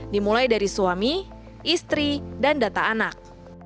dimulai dari suami istri dan data anak